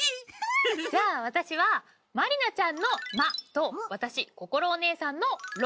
じゃあ私はまりなちゃんの「ま」と私こころおねえさんの「ろ」。